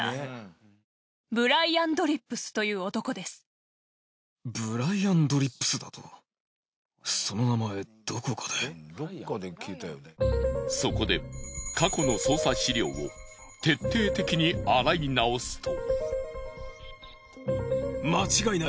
シーシー・ムーアはそこで過去の捜査資料を徹底的に洗い直すと。